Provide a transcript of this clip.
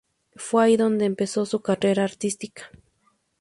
Fue allí donde empezó su carrera artística.